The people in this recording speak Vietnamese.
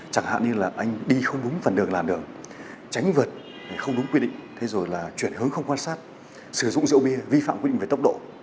chẳng hạn như là anh đi không đúng phần đường làn đường tránh vượt không đúng quy định thế rồi là chuyển hướng không quan sát sử dụng rượu bia vi phạm quy định về tốc độ